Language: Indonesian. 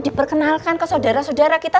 diperkenalkan ke saudara saudara kita